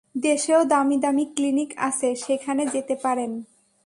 দেশেও দামি দামি ক্লিনিক আছে সেখানে যেতে পারেন।